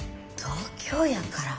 東京やから？